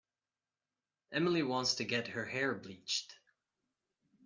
Emily wants to get her hair bleached.